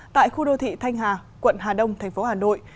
tại khu đô thị thanh hà quận hà đông tp hà nội